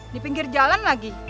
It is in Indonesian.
di pinggir jalan lagi